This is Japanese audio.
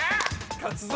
勝つぞ。